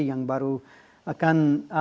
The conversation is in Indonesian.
yang baru akan